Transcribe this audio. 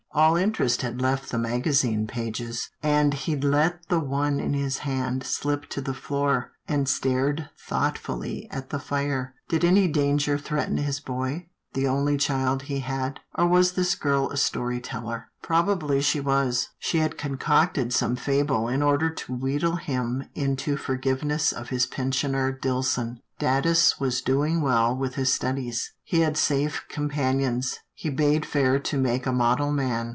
All interest had left the magazine pages, and he let the one in his hand slip to the floor, and stared thoughtfully at the fire. Did any danger threaten his boy — the only child he had, or was this girl a story teller? Probably she was, she had concocted some fable in order to wheedle him into forgiveness of his pensioner Dillson. Datus was doing well with his studies. He had safe companions, he bade fair to make a model man.